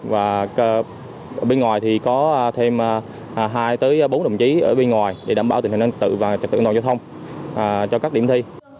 và bên ngoài thì có thêm hai tới bốn đồng chí ở bên ngoài để đảm bảo tình hình an ninh tự và trật tự an toàn giao thông cho các điểm thi